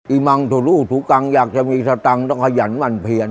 มังถูรูถูกังอยากจะมีสตังค์ต้องขยันหมั่นเพียน